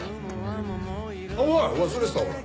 おい忘れてたほら！